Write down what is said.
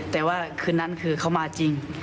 แต่ว่าคืนนั้นคือเขามาจริง